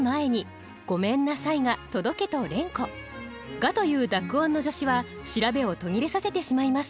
「が」という濁音の助詞は調べを途切れさせてしまいます。